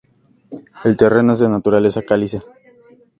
El terreno es de naturaleza caliza.